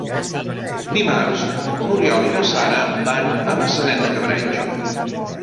Dimarts n'Oriol i na Sara van a Maçanet de Cabrenys.